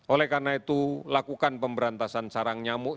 oleh karena itu lakukan pemberantasan sarang nyamuk